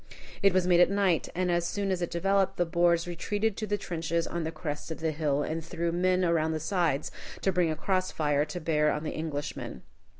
It was made at night, and as soon as it developed, the Boers retreated to the trenches on the crest of the hill, and threw men around the sides to bring a cross fire to bear on the Englishmen.